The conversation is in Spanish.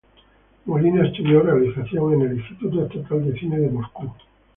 Molina estudió realización en el Instituto Estatal de Cine de Moscú.